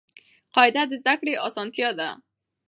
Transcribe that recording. قاعده د زده کړي اسانتیا ده.